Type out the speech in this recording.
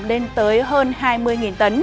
lên tới hơn hai mươi tấn